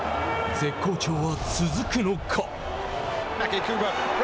絶好調は続くのか。